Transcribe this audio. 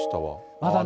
まだね。